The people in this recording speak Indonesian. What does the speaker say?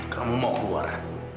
kamu mau keluar